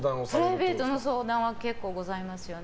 プライベートの相談は結構ございますよね。